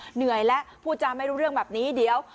เหนื่อยแล้วพูดจาไม่รู้เรื่องแบบนี้เดี๋ยว